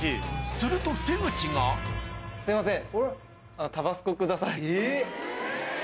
すると瀬口がすいません。